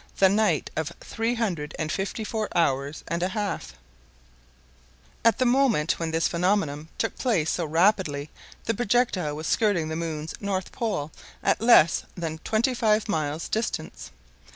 THE NIGHT OF THREE HUNDRED AND FIFTY FOUR HOURS AND A HALF At the moment when this phenomenon took place so rapidly, the projectile was skirting the moon's north pole at less than twenty five miles distance.